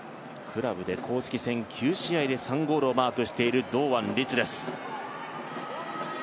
クラブで公式戦９試合で３ゴールをマークしている堂安律です。